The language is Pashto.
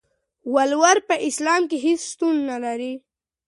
ولور په اسلام کې هيڅ شتون نلري.